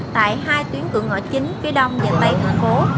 tại hai tuyến cửa ngõ chín phía đông và tây hạng cố